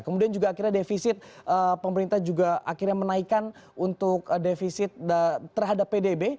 kemudian juga akhirnya defisit pemerintah juga akhirnya menaikkan untuk defisit terhadap pdb